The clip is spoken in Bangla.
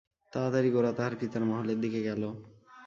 তাড়াতাড়ি গোরা তাহার পিতার মহলের দিকে গেল।